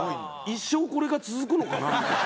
一生これが続くのかな？みたいな。